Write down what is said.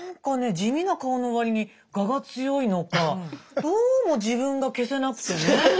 地味な顔の割に我が強いのかどうも自分が消せなくてね。